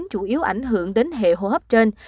chủ yếu ảnh hưởng đến hệ hô hấp trên